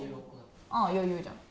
ああ余裕じゃん。